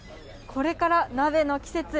これから鍋の季節。